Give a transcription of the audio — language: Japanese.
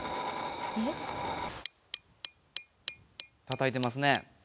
たたいてますね。